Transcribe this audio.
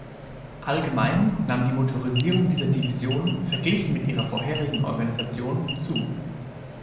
Allgemein nahm die Motorisierung dieser Divisionen verglichen mit ihrer vorherigen Organisation zu.